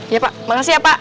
ya pak makasih ya pak